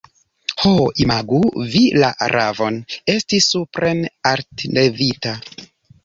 Ho, imagu vi la ravon esti supren altlevita!